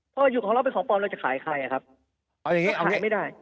ถ้าอยู่ของเราเป็นของปลอมเราจะขายใครครับ